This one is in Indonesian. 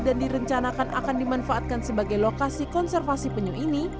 dan direncanakan akan dimanfaatkan sebagai lokasi konservasi penyu ini